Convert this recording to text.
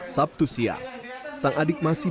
sabtu siang sang adik masih